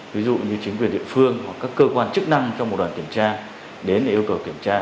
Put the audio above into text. ví dụ như chính quyền địa phương hoặc các cơ quan chức năng trong một đoàn kiểm tra đến để yêu cầu kiểm tra